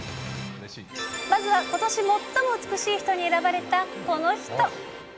まずはことし最も美しい人に選ばれたこの人。